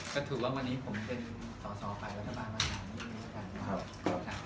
ก็ถือว่าวันนี้ผมเป็นสอฝ่ายวัฒนาบาลมากกว่า